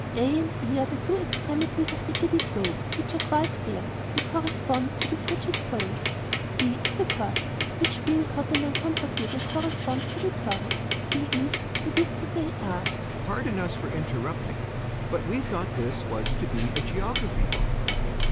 A. and E. are the two extremities of the Giddy Globe, which are quite bare. They correspond to the Frigid Zones. C. is the Corset, which being hot and uncomfortable corresponds to the Torrid. D. is that is to say are Pardon us for interrupting but we thought this was to be a geography book.